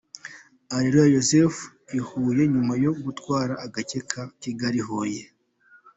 Areruya Joseph i Huye nyuma yo gutwara agace ka Kigali-Huye .